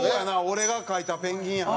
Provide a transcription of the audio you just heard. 俺が描いたペンギンやな。